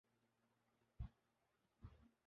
اس لیے اگر ایک عام شہری ان کی خلاف ورزی کرے گا۔